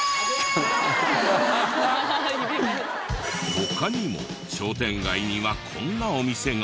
他にも商店街にはこんなお店が。